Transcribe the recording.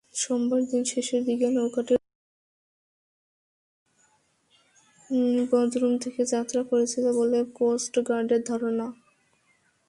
সোমবার দিন শেষের দিকে নৌকাটি বদরুম থেকে যাত্রা করেছিল বলে কোস্টগার্ডের ধারণা।